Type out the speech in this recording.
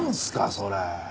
それ。